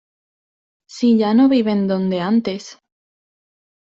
Si ya no viven donde antes.